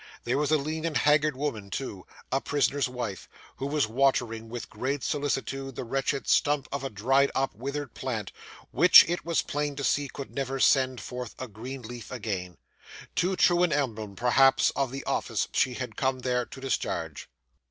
There was a lean and haggard woman, too a prisoner's wife who was watering, with great solicitude, the wretched stump of a dried up, withered plant, which, it was plain to see, could never send forth a green leaf again too true an emblem, perhaps, of the office she had come there to discharge.